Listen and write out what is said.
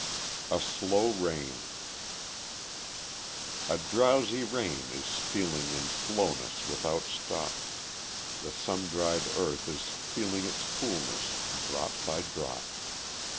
A Slow Rain A drowsy rain is stealing In slowness without stop; The sun dried earth is feeling Its coolness, drop by drop.